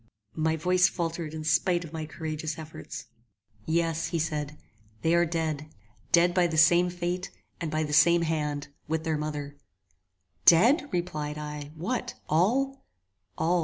My voice faltered in spite of my courageous efforts. "Yes," said he, "they are dead! Dead by the same fate, and by the same hand, with their mother!" "Dead!" replied I; "what, all?" "All!"